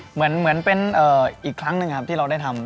เหมือนเป็นอีกครั้งหนึ่งครับที่เราได้ทำ